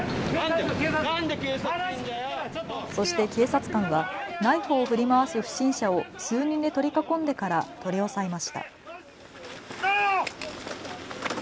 そして警察官はナイフを振り回す不審者を数人で取り囲んでから取り押さえました。